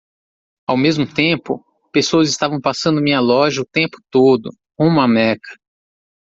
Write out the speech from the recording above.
Ao mesmo tempo? pessoas estavam passando minha loja o tempo todo? rumo a Meca.